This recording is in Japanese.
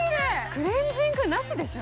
クレンジングなしでしょう。